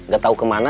gak tau kemana